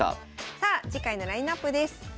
さあ次回のラインナップです。